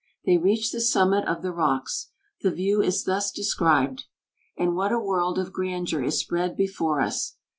They reach the summit of the rocks. The view is thus described: "And what a world of grandeur is spread before us!